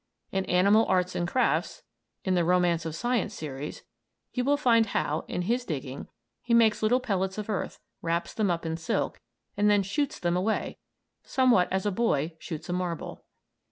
In "Animal Arts and Crafts" in the "Romance of Science" series you will find how, in his digging, he makes little pellets of earth, wraps them up in silk, and then shoots them away, somewhat as a boy shoots a marble.